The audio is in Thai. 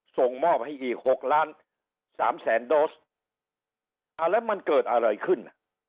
ส่งมอบให้อีกหกล้านสามแสนโดสอ่าแล้วมันเกิดอะไรขึ้นอ่ะ